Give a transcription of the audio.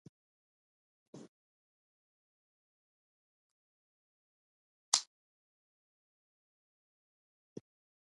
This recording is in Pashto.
ګرد وېرې اخيستي او په تېښته وو.